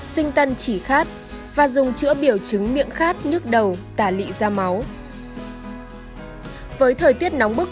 sinh tân chỉ khát và dùng chữa biểu chứng miệng khát nước đầu tả lị da máu với thời tiết nóng bức